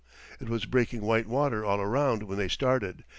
It was breaking white water all around when they started.